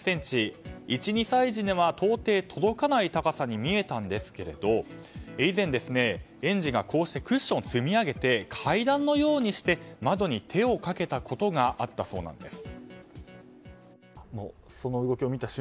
１２歳児では到底届かない高さに見えたんですが以前、園児がこうしてクッションを積み上げて階段のようにして窓に手をかけたことがあったそうなんです。